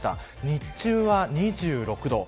日中は２６度。